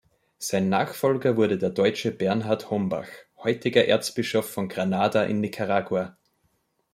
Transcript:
Sein Nachfolger wurde der Deutsche Bernhard Hombach, heutiger Erzbischof von Granada in Nicaragua.